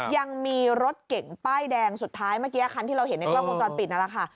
ยังมีรถเก่งป้ายแดงสุดท้ายเมื่อกี้คันที่เราเห็นในกล้องวงจรปิดนั่นแหละค่ะ